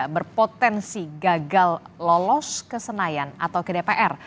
berpotensi gagal lolos kesenaian atau ke dpr